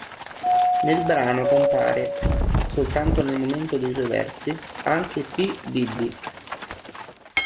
Nel brano compare, soltanto nel momento dei suoi versi, anche P. Diddy.